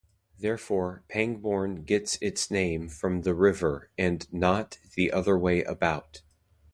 Therefore Pangbourne gets its name from the river, and not the other way about.